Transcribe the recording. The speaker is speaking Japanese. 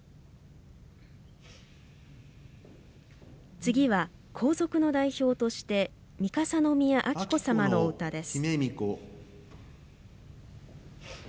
次は皇族の代表として三笠宮彬子さまのお歌です。